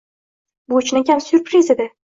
Bu chinakam syurpriz edi